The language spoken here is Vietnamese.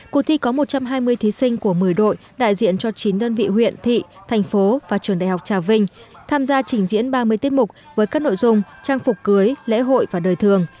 cuộc thi có một trăm hai mươi thí sinh của một mươi đội đại diện cho chín đơn vị huyện thị thành phố và trường đại học trà vinh tham gia trình diễn ba mươi tiết mục với các nội dung trang phục cưới lễ hội và đời thường